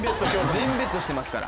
全ベットしてますから。